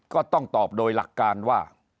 ก็ต้องตอบโดยหลักการว่า